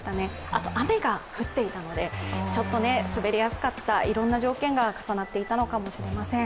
あと雨が降っていたので滑りやすかったいろんな条件が重なっていたのかもしれません。